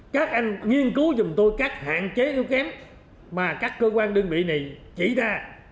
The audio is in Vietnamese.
các anh nghiên cứu dùng tôi các hạn chế yếu kém mà các cơ quan đơn vị này chỉ ra